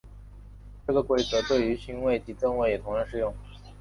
这个规则对于勋位及赠位也同样适用。